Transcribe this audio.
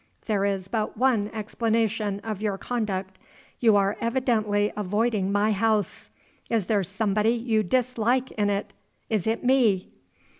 There is but one explanation of your conduct you are evidently avoiding my house. Is there somebody you dislike in it? Is it me?"